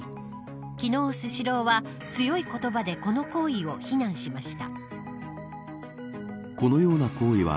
昨日、スシローは強い言葉でこの行為を非難しました。